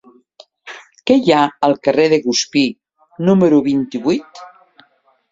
Què hi ha al carrer de Guspí número vint-i-vuit?